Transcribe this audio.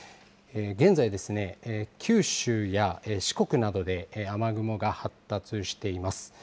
現在ですね、九州や四国などで、雨雲が発達しています。